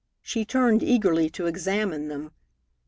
She turned eagerly to examine them.